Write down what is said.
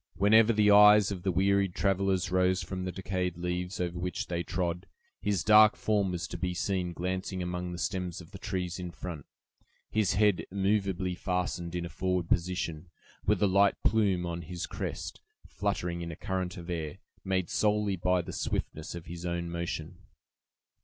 Whenever the eyes of the wearied travelers rose from the decayed leaves over which they trod, his dark form was to be seen glancing among the stems of the trees in front, his head immovably fastened in a forward position, with the light plume on his crest fluttering in a current of air, made solely by the swiftness of his own motion.